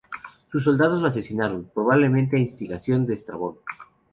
Sus soldados lo asesinaron, probablemente a instigación de Estrabón.